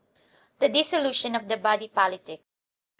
The Dissolution or the Body Politic.